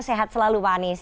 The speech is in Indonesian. sehat selalu pak anies